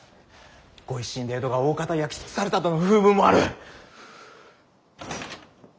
御一新で江戸がおおかた焼き尽くされたとの風聞もある。